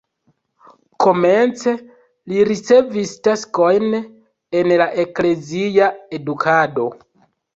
Komence li ricevis taskojn en la eklezia edukado.